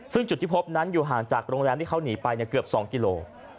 ซึ่งจุดที่พบนั้นอยู่ห่างจากโรงแรมที่เขาหนีไปเกือบ๒กิโล